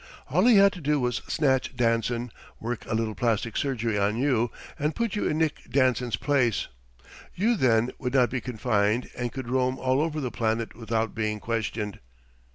All he had to do was snatch Danson, work a little plastic surgery on you and put you in Nick Danson's place. You then, would not be confined and could roam all over the planet without being questioned."